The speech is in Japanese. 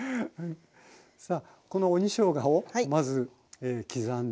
さあこの鬼しょうがをまず刻んで。